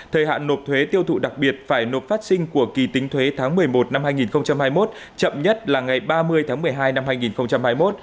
thời hạn nộp thuế tiêu thụ đặc biệt phải nộp phát sinh của kỳ tính thuế tháng một mươi một năm hai nghìn hai mươi một chậm nhất là ngày ba mươi tháng một mươi hai năm hai nghìn hai mươi một